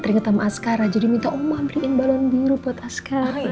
teringet sama askara jadi minta oma beliin balon biru buat askara